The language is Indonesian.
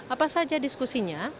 apa saja diskusinya